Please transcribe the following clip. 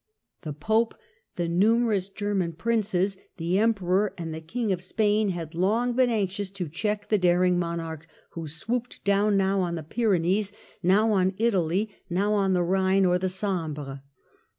The Pope, the numerous German princes, the Emperor, and the King of Spain had long been anxious to check the daring monarch who swooped down now on the Pyrenees, now on Italy, now on the Rhine or the Sambre.